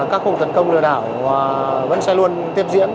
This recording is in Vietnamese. các cuộc tấn công lừa đảo vẫn sẽ luôn tiếp diễn